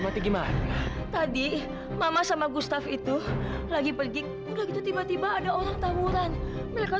mati gimana tadi mama sama gustaf itu lagi pergi udah gitu tiba tiba ada orang tawuran mereka